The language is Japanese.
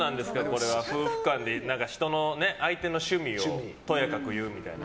夫婦間で、相手の趣味をとやかく言うみたいな。